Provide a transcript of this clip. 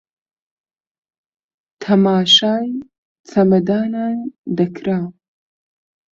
تەماشای چەمەدانان دەکرا